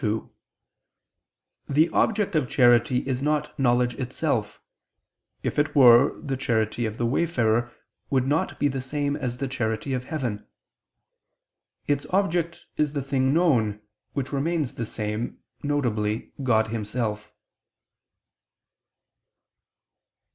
2: The object of charity is not knowledge itself; if it were, the charity of the wayfarer would not be the same as the charity of heaven: its object is the thing known, which remains the same, viz. God Himself.